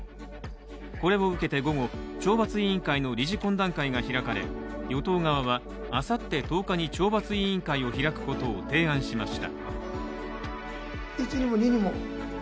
これを受けて午後、懲罰委員会の理事懇談会が開かれ与党側はあさって１０日に懲罰委員会を開くことを提案しました。